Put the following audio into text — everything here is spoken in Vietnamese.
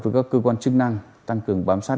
với các cơ quan chức năng tăng cường bám sát